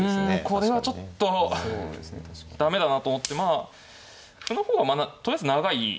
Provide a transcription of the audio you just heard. これはちょっと駄目だなと思ってまあ歩の方はとりあえず長い。